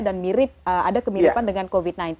dan mirip ada kemiripan dengan covid sembilan belas